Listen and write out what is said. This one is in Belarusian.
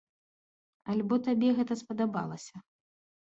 Альбо табе гэта спадабалася?